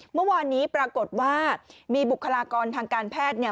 เมื่อวานนี้ปรากฏว่ามีบุคลากรทางการแพทย์เนี่ย